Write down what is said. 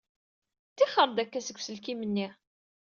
Ttixer-d akka seg uselkim-nni.